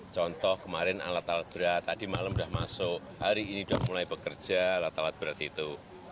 contoh kemarin alat alat berat tadi malam sudah masuk hari ini sudah mulai bekerja alat alat berat itu